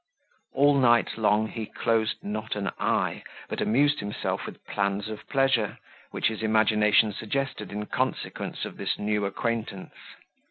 All night long he closed not an eye, but amused himself with plans of pleasure, which his imagination suggested in consequence of this new acquaintance.